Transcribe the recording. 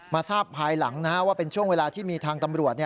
ทราบภายหลังว่าเป็นช่วงเวลาที่มีทางตำรวจ